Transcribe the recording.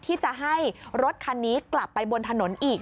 ที่จะให้รถคันนี้กลับไปบนถนนอีก